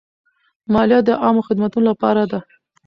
مالیه د عامه خدمتونو لپاره ده.